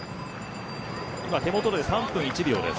手元で３分１秒です。